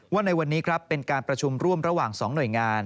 ในวันนี้ครับเป็นการประชุมร่วมระหว่าง๒หน่วยงาน